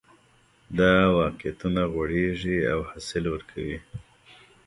دا واقعیتونه غوړېږي او حاصل ورکوي